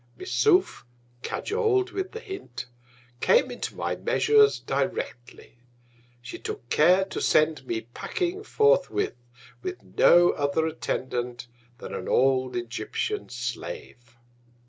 Missouf, (cajol'd with the Hint) came into my Measures directly. She took care to send me packing forthwith, with no other Attendant than an old Egyptian Slave.